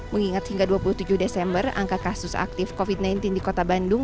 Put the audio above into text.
mengingat hingga dua puluh tujuh desember angka kasus aktif covid sembilan belas di kota bandung